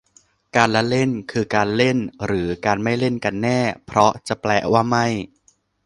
การละเล่น คือการเล่นหรือการไม่เล่นกันแน่ เพราะละแปลว่าไม่